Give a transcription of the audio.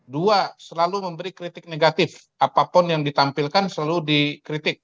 dua selalu memberi kritik negatif apapun yang ditampilkan selalu dikritik